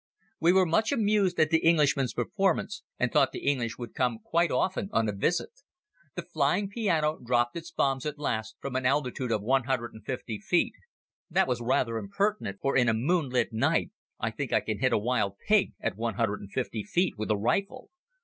We were much amused at the Englishman's performance and thought the English would come quite often on a visit. The flying piano dropped its bombs at last from an altitude of one hundred and fifty feet. That was rather impertinent for in a moonlit night I think I can hit a wild pig at one hundred and fifty feet with a rifle.